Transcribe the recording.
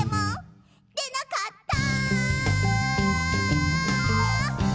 「でなかった！」